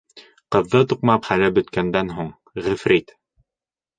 Ҡыҙҙы туҡмап хәле бөткәндән һуң, ғифрит: